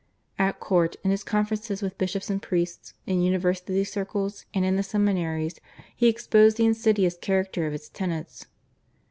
At court, in his conferences with bishops and priests, in university circles, and in the seminaries he exposed the insidious character of its tenets.